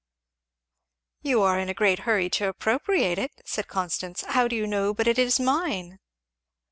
"You are in a great hurry to appropriate it," said Constance, "how do you know but it is mine?"